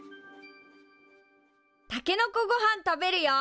たけのこごはん食べるよ。